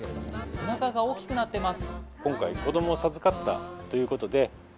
体が大きくなってます。